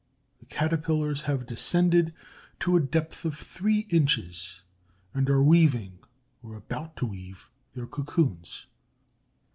The Caterpillars have descended to a depth of three inches, and are weaving, or about to weave, their cocoons.